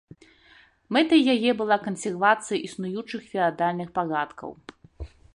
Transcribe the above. Мэтай яе была кансервацыя існуючых феадальных парадкаў.